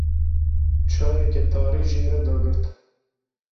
Çayeke tarî jê re dagirt.